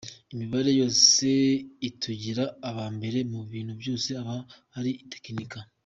Imibare yose itugira aba mbere mu bintu byose aba ari itekinika.